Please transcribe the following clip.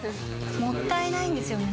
もったいないんですよね。